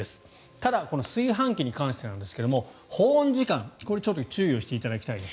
ただ、炊飯器に関してですが保温時間これはちょっと注意をしていただきたいです。